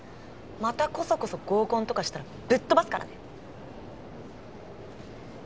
またコソコソ合コンとかしたらぶっ飛ばすからね？